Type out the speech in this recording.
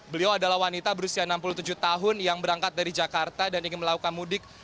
beliau adalah wanita berusia enam puluh tujuh tahun yang berangkat dari jakarta dan ingin melakukan mudik